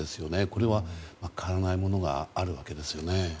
これは変わらないものがあるわけですよね。